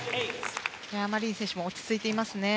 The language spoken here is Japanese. マリン選手も落ち着いていますね。